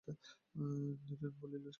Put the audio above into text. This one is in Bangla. নীরেন বলিল, কি যেন পড়ে গেল খুকি!